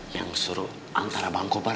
yang suruh antara bang kobar